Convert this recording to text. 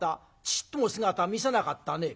ちっとも姿見せなかったね」。